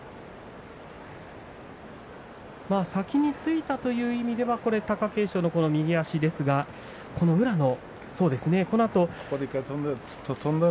先についたという意味では貴景勝の右足ですが宇良の。